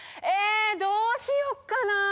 ⁉えどうしようかな？